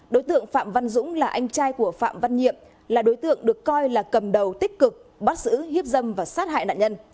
đối tượng phạm văn dũng là anh trai của phạm văn nhiệm là đối tượng được coi là cầm đầu tích cực bắt giữ hiếp dâm và sát hại nạn nhân